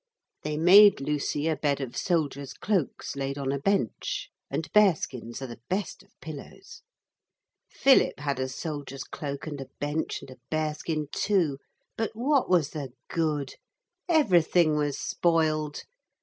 They made Lucy a bed of soldiers' cloaks laid on a bench; and bearskins are the best of pillows. Philip had a soldier's cloak and a bench, and a bearskin too but what was the good? Everything was spoiled.